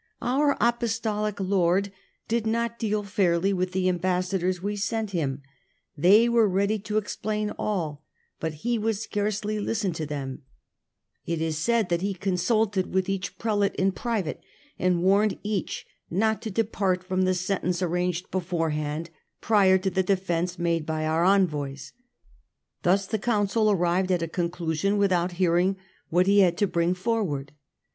" Our Apostolic Lord did not deal fairly with the ambassadors we sent him ; they were ready to explain all, but he would scarcely listen to them ; it is said that he consulted with each Prelate in private, and warned each not to depart from the sentence arranged beforehand, prior to the defence made by our envoys ; thus the Council arrived at a conclusion without hearing what he had to bring forward.